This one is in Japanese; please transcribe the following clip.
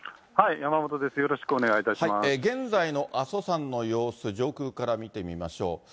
山元です、現在の阿蘇山の様子、上空から見てみましょう。